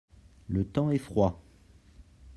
le temps est froid.